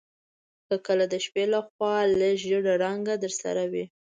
که کله د شپې لخوا لږ ژیړ رنګ درسره وي